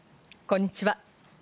こんにちは。